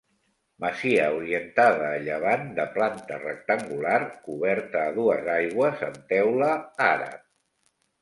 Masia orientada a llevant, de planta rectangular, coberta a dues aigües amb teula àrab.